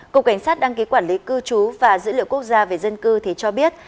cục cảnh sát đăng ký quản lý cư trú và dữ liệu quốc gia về dân cư thì cho biết